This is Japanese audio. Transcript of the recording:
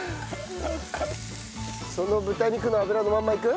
その豚肉の油のまんまいく？